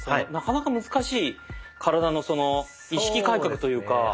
なかなか難しい体の意識改革というか。